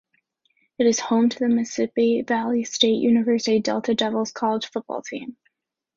It is home to the Mississippi Valley State University Delta Devils college football team.